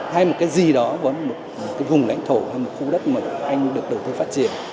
hay một cái gì đó có một cái vùng lãnh thổ hay một khu đất mà anh được đầu tư phát triển